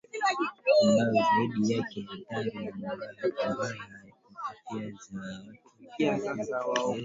ambayo zaidi yake athari mbaya kwa afya za watu zinawezeka kutokea